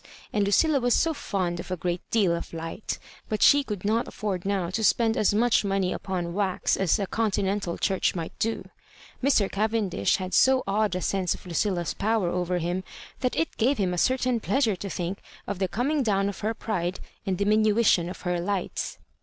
And Lucilla was so fond of a great deal of light 1 but she could not afford now to spend as much money upon wax as a Continental church might do. Mr. Oayen dish had so odd a sense of Lucilla's power oyer him, that it gaye him a certain pleasure to think of the coming down of her pride and diminution of her lights.